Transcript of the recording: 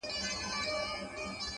• پر کلیو, پر ښارونو یې ځالۍ دي غوړولي,